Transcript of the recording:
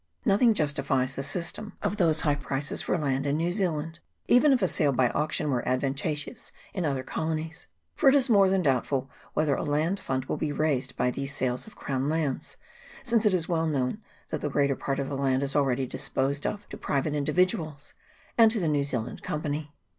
Nothing justifies the system of those high prices for land in New Zealand, even if a sale by auction were advantageous in other colonies ; for it is more than doubtful whether a land fund will be raised by these sales of crown lands, since it is well known that the greater part of the land is already disposed of to private individuals and to the New Zealand Company.